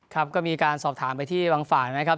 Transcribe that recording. ครับก็มีการสอบถามไปที่บางฝ่ายนะครับ